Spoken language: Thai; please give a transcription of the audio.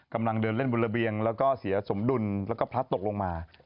กำลังเดินเล่นบนระเบียงแล้วก็เสียสมดุลแล้วก็พลัดตกลงมา